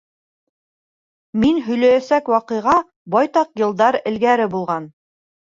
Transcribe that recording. Мин һөйләйәсәк ваҡиға байтаҡ йылдар элгәре булған.